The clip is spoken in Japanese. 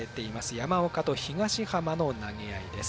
山岡と東浜の投げ合いです。